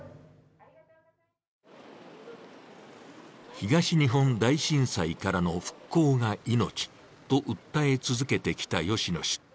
東日本大震災からの復興が命と訴え続けてきた吉野氏。